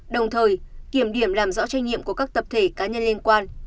đồng thời kiểm điểm làm rõ trách nhiệm của các tập thể cá nhân liên quan